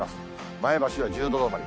前橋は１０度止まり。